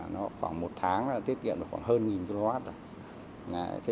nó khoảng một tháng tiết kiệm được hơn một kwh